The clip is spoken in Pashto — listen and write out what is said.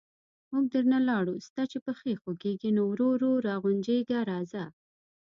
موږ درنه لاړو، ستا چې پښې خوګېږي، نو ورو ورو را غونجېږه راځه...